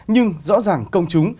nhưng rõ ràng công chúng